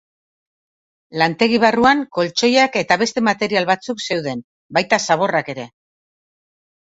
Lantegi barruan koltxoiak eta beste material batzuk zeuden, baita zaborrak ere.